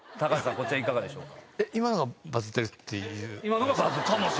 こちらいかがでしょうか？